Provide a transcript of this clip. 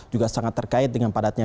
juga sangat terkait dengan padatnya